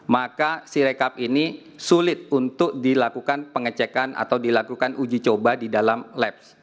maka si rekap ini sulit untuk dilakukan pengecekan atau dilakukan uji coba di dalam labs